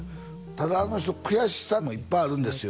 ただあの人悔しさもいっぱいあるんですよ